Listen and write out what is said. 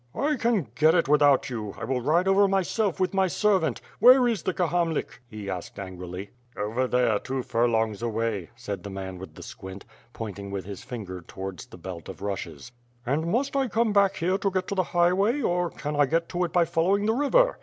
"I can get it without you. T will ride over myself with my servant. Where is the Kahamlik?" he asked angrily. 250 ^^^^^^^^^^'^ iSWO/^i). "Over there, two furlongs away," said the man with the squint, pointing with his finger towards the belt of rushes. "And must I come back here to get to the highway, or can I get to it by following the river."